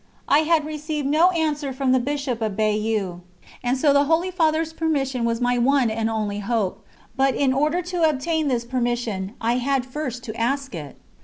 I had received no answer from the Bishop of Bayeux, and so the Holy Father's permission was my one and only hope. But in order to obtain this permission I had first to ask it.